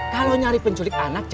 kalau nyari penculik anak jangan begitu